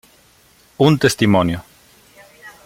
Un testimonio.